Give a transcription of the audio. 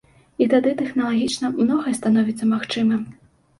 І тады тэхналагічна многае становіцца магчымым.